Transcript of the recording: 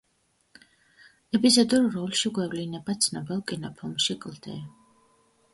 ეპიზოდურ როლში გვევლინება ცნობილ კინოფილმში „კლდე“.